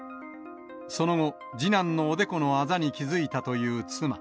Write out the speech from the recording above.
その後、次男のおでこのあざに気付いたという妻。